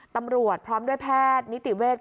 ตำรวจพร้อมด้วยแพทย์นิติเวช